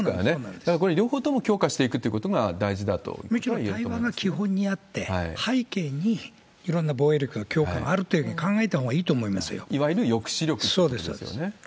だからこれ、両方とも強化していくということが大事だということがいえると思むしろ対話が基本にあって、背景にいろんな防衛力の強化があるというふうに考えたほうがいいいわゆる抑止力ということでそうです。